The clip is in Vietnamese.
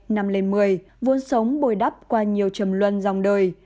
năm lên mười vốn sống bồi đắp qua nhiều trầm luân dòng đời